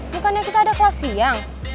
bukannya kita ada kelas siang